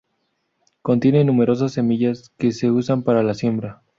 Contiene numerosas semillas, que se usan para la siembra.